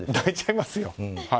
泣いちゃいますよ。